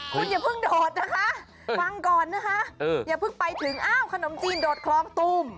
คุณอย่าเพิ่งโดดนะคะฟังก่อนนะคะอย่าเพิ่งไปถึงอ้าวขนมจีนโดดคลองตูม